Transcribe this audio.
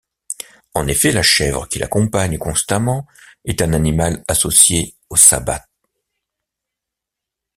En effet, la chèvre qui l'accompagne constamment est un animal associé au sabbat.